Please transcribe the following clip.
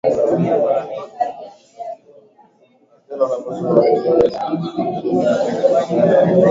maishani wakifuata dini ya watawala Masharti ya kujiunga na